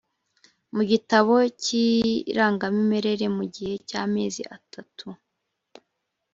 mu gitabo cy irangamimerere mu gihe cy amezi atatu